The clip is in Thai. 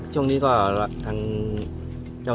ตอนนี้เจออะไรบ้างครับ